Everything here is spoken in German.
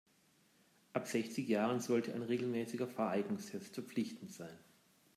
Ab sechzig Jahren sollte ein regelmäßiger Fahreignungstest verpflichtend sein.